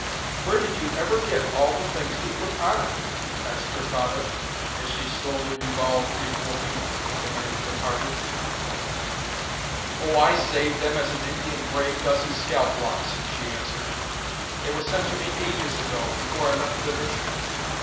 "Where did you ever get all the things to put on it?" asked her father as she slowly revolved before him the night of the party. "Oh, I saved them as an Indian brave does his scalp locks," she answered. "They were sent to me ages ago, before I left the nursery.